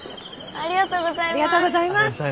ありがとうございます。